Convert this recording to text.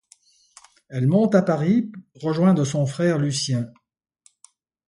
Elle monte à Paris rejoindre son frère Lucien.